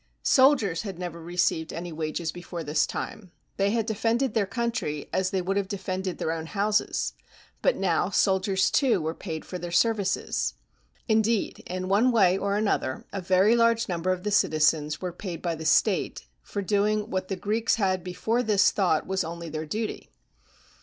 Soldiers had 126 PERICLES AND HIS AGE never received any wages before this time; they had defended their country as they would have defended their own houses; but now soldiers, too, were paid for their services. Indeed, in one way or another, a very large number of the citizens were paid by the state for doing what the Greeks had before this thought was only their duty.